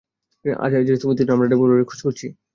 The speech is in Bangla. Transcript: জ্যাজ, তুমি জানো আমরা ডেভোলাপারের খোঁজ করছি।